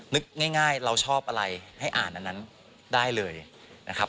นึกง่ายเราชอบอะไรให้อ่านอันนั้นได้เลยนะครับ